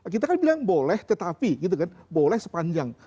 kita kan bilang boleh tetapi boleh sepanjang